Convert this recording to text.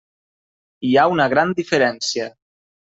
Hi ha una gran diferència.